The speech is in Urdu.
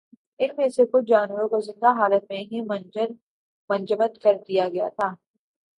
ان میں سے کچھ جانوروں کو زندہ حالت میں ہی منجمد کردیا گیا تھا۔